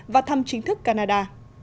và thăm chính thức canada